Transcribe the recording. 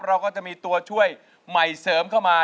เราก็จะมีตัวช่วยใหม่เสริมเข้ามา